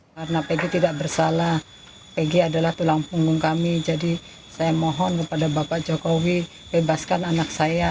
karena pegi tidak bersalah pegi adalah tulang punggung kami jadi saya mohon kepada bapak jokowi bebaskan anak saya